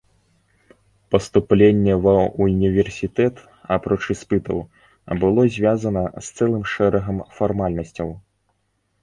Паступленне ва ўніверсітэт, апроч іспытаў, было звязана з цэлым шэрагам фармальнасцяў.